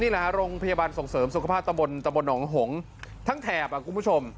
นี่แหละฮะโรงพยาบาลส่งเสริมสุขภาษณ์ตำบลตำบลหนองหงทั้งแถบอ่ะคุณผู้ชม